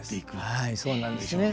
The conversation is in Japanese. はいそうなんですね。